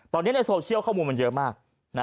ตอนนี้ในโซเชียลข้อมูลมันเยอะมาก